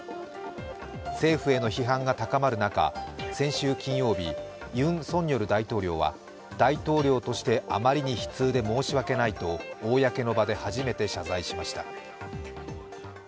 政府への批判が高まる中、先週金曜日、ユン・ソンニョル大統領は、大統領としてあまりに悲痛で申し訳ないと公の場で初めて謝罪しました。